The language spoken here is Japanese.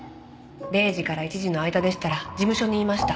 ０時から１時の間でしたら事務所にいました。